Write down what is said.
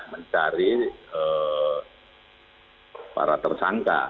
mencari para tersangka